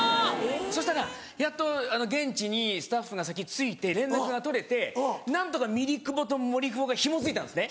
そしたらやっと現地にスタッフが先着いて連絡が取れて何とかミリクボと森久保がひもづいたんですね。